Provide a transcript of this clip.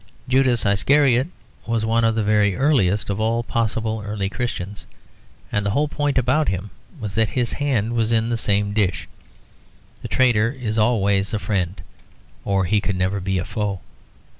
Judas Iscariot was one of the very earliest of all possible early Christians. And the whole point about him was that his hand was in the same dish; the traitor is always a friend, or he could never be a foe.